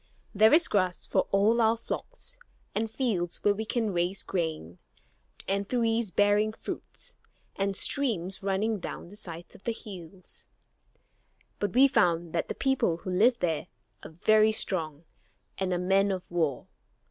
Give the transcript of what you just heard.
There is grass for all our flocks, and fields where we can raise grain, and trees bearing fruits, and streams running down the sides of the hills. But we found that the people who live there are very strong and are men of war.